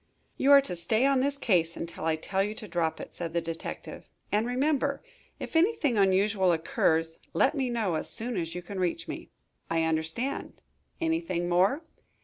"You are to stay on this case until I tell you to drop it," said the detective. "And remember, if anything unusual occurs, let me know as soon as you can reach me." "I understand. Anything more?"